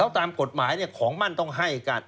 แล้วตามกฎหมายเนี่ยของมั่นต้องให้กัน